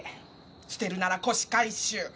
捨てるなら古紙回収！